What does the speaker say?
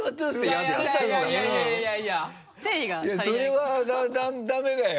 それはダメだよ。